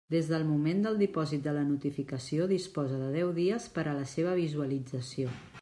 Des del moment del dipòsit de la notificació disposa de deu dies per a la seva visualització.